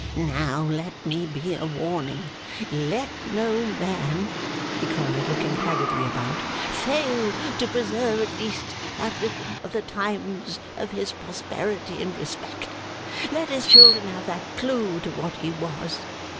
Now, let me be a warning! Let no man,' he cried, looking haggardly about, 'fail to preserve at least that little of the times of his prosperity and respect. Let his children have that clue to what he was.